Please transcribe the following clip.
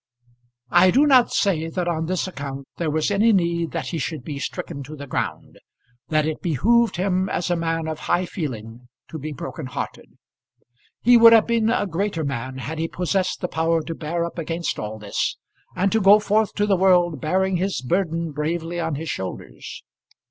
I do not say that on this account there was any need that he should be stricken to the ground, that it behoved him as a man of high feeling to be broken hearted. He would have been a greater man had he possessed the power to bear up against all this, and to go forth to the world bearing his burden bravely on his shoulders.